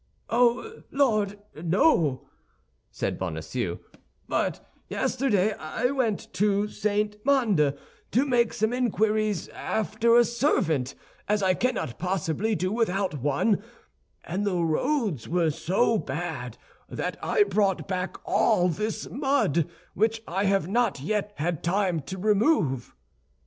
"Oh, Lord! no," said Bonacieux, "but yesterday I went to St. Mandé to make some inquiries after a servant, as I cannot possibly do without one; and the roads were so bad that I brought back all this mud, which I have not yet had time to remove."